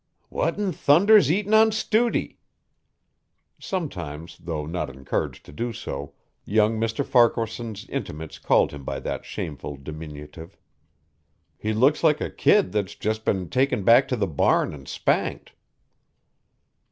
"What in thunder's eatin' on Stuty " (sometimes, though not encouraged to do so, young Mr. Farquaharson's intimates called him by that shameful diminutive.) "He looks like a kid that's just been taken back to the barn and spanked."